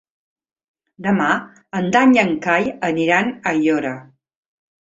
Demà en Dan i en Cai aniran a Aiora.